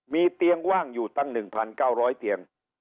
มีเตียงว่างอยู่ตั้ง๑๙๐๐เตียง